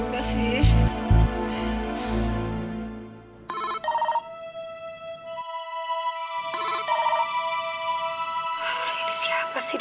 masih minta kasih